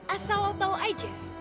asal lo tau aja